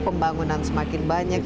pembangunan semakin banyak